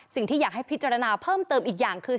สิ่งที่อยากให้พิจารณาเพิ่มเติมอีกอย่างคือ